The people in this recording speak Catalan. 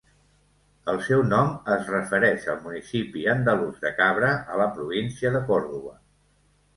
El seu nom es refereix al municipi andalús de Cabra, a la província de Còrdova.